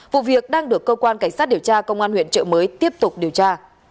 vụ việc đang được cơ quan cảnh sát điều tra công an huyện trợ mới tiếp tục điều tra